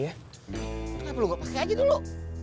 kenapa lo gak pake aja dulu